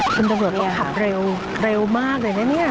คุณตำรวจต้องขับเร็วเร็วมากเลยนะเนี่ย